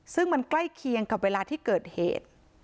ซึ่งมันใกล้เคียงกับเวลาที่เกิดเหตุ